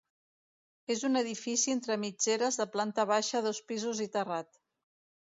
És un edifici entre mitgeres de planta baixa, dos pisos i terrat.